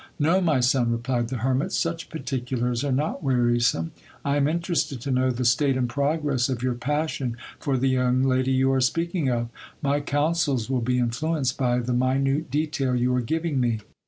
No, my son, replied the hermit, such particulars are not wearisome : 1 am interested to know the state and progress of your passion for the young lady you are speaking of ; my counsels will be influenced by the minute detail you are giving me.